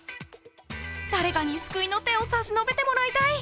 誰かに救いの手を差し伸べてもらいたい。